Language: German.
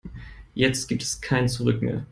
Jetzt gibt es kein Zurück mehr.